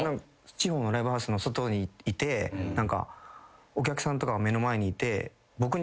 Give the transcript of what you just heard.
地方のライブハウスの外にいて何かお客さんとかが目の前にいて。